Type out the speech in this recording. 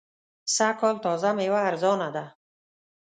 سږ کال تازه مېوه ارزانه ده.